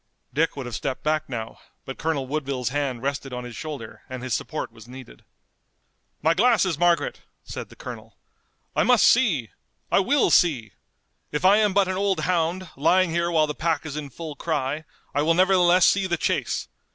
Dick would have stepped back now, but Colonel Woodville's hand rested on his shoulder and his support was needed. "My glasses, Margaret!" said the colonel. "I must see! I will see! If I am but an old hound, lying here while the pack is in full cry, I will nevertheless see the chase!